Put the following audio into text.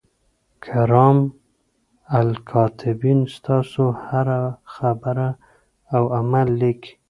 کرام الکاتبین ستاسو هره خبره او عمل لیکي.